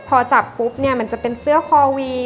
พอจับปุ๊บเนี่ยมันจะเป็นเสื้อคอวี